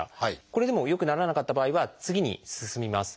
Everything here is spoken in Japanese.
これでも良くならなかった場合は次に進みます。